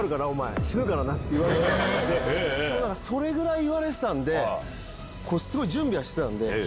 でもそれぐらい言われてたんですごい準備はしてたんで。